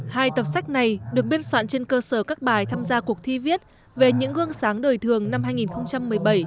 hai tập sách này được biên soạn trên cơ sở các bài tham gia cuộc thi viết về những gương sáng đời thường năm hai nghìn một mươi bảy